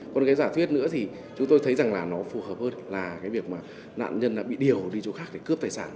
còn cái giả thuyết nữa thì chúng tôi thấy rằng là nó phù hợp hơn là cái việc mà nạn nhân đã bị điều đi chỗ khác để cướp tài sản